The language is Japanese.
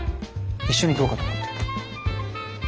一緒にどうかと思って。